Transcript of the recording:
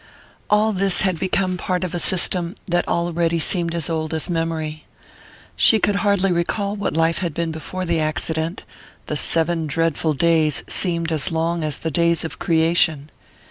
All this had become part of a system that already seemed as old as memory. She could hardly recall what life had been before the accident the seven dreadful days seemed as long as the days of creation.